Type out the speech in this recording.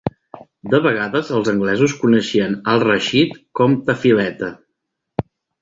De vegades els anglesos coneixien Al-Rashid com "Tafiletta".